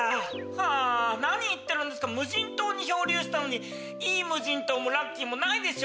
あ何言ってるんですか無人島に漂流したのにいい無人島もラッキーもないでしょ。